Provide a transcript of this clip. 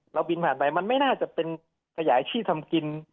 บินผ่านไปมันไม่น่าจะเป็นขยายที่ทำกิน